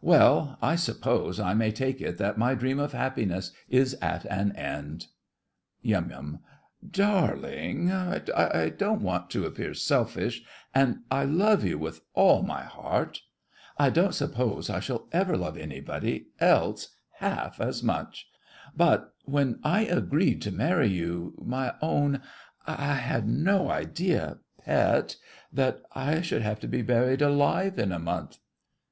Well, I suppose I may take it that my dream of happiness is at an end! YUM. Darling—I don't want to appear selfish, and I love you with all my heart—I don't suppose I shall ever love anybody else half as much—but when I agreed to marry you—my own—I had no idea—pet—that I should have to be buried alive in a month!